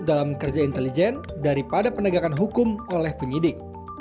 dalam kerja intelijen daripada penegakan hukum oleh penyidik